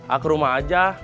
aku rumah aja